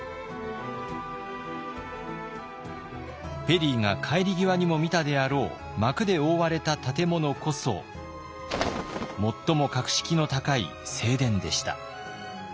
ペリーが帰り際にも見たであろう幕で覆われた建物こそ最も格式の高い正殿でした。